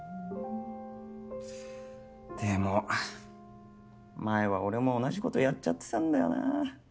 でも前は俺も同じことやっちゃってたんだよな。